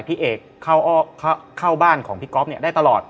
พี่เอกเข้าบ้านของพี่ก๊อฟเนี่ยได้ตลอด